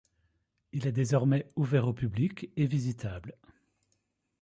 Il est désormais ouvert au public et visitable.